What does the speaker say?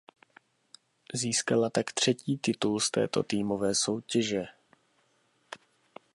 Získala tak třetí titul z této týmové soutěže.